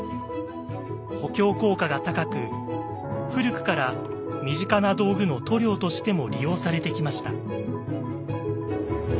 補強効果が高く古くから身近な道具の塗料としても利用されてきました。